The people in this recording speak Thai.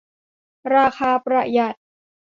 ราคาประหยัด